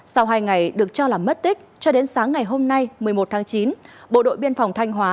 sau hai ngày được cho là mất tích cho đến sáng ngày hôm nay một mươi một tháng chín bộ đội biên phòng thanh hóa